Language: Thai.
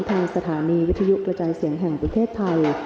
ทางสถานีวิทยุกระจายเสียงแห่งประเทศไทย